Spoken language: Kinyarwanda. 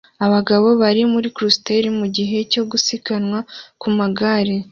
Abagabo bari muri cluster mugihe cyo gusiganwa ku magare